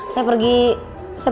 saya pergi ke rumah sakit